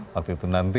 waktu itu nanti